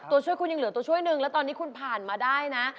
ตัวช่วยคุณยังเหลือตัวช่วยหนึ่งแล้วตอนนี้คุณผ่านมาได้นะ